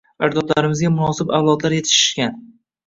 Ajdodlarimizga munosib avlodlar yetishishgan